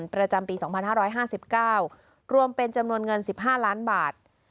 ประจำปีสองพันห้าร้อยห้าสิบเก้ารวมเป็นจำนวนเงินสิบห้าล้านบาท